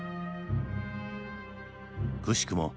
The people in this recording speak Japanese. くしくも